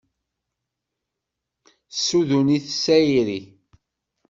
Tessuden-it s tayri